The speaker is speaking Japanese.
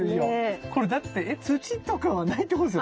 これだって土とかはないってことですよね？